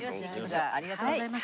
ありがとうございます。